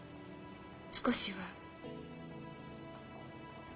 少しは。